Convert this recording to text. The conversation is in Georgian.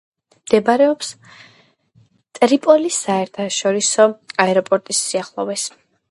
მდებარეობს ტრიპოლის საერთაშორისო აეროპორტის სიახლოვეს.